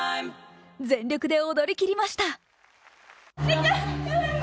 全力で踊りきりました。